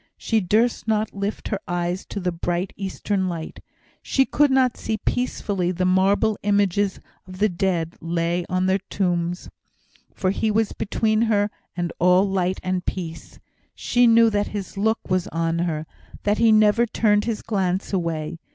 She durst not lift her eyes to the bright eastern light she could not see how peacefully the marble images of the dead lay on their tombs, for he was between her and all Light and Peace. She knew that his look was on her; that he never turned his glance away.